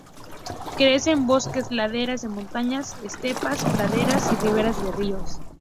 Crece en bosques, laderas de montañas, estepas, praderas y riveras de ríos.